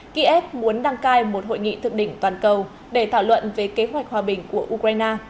kiev muốn đăng cai một hội nghị thượng đỉnh toàn cầu để thảo luận về kế hoạch hòa bình của ukraine